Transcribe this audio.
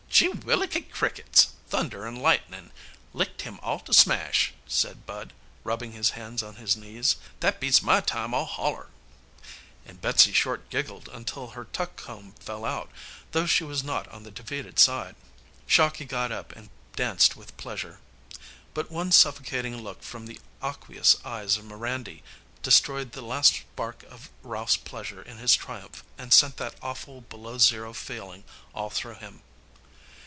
"Gewhilliky crickets! Thunder and lightning! Licked him all to smash!" said Bud, rubbing his hands on his knees. "That beats my time all holler!" And Betsey Short giggled until her tuck comb fell out, though she was not on the defeated side. Shocky got up and danced with pleasure. But one suffocating look from the aqueous eyes of Mirandy destroyed the last spark of Ralph's pleasure in his triumph, and sent that awful below zero feeling all through him.